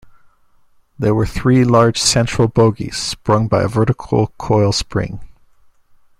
There were three large central bogies, sprung by a vertical coil spring.